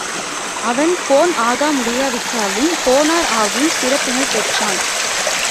அவன் கோன் ஆகமுடியாவிட்டாலும் கோனார் ஆகும் சிறப்பினைப் பெற்றான்.